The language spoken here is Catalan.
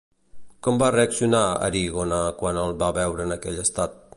Com va reaccionar Erígone quan el va veure en aquell estat?